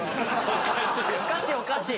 おかしいおかしい。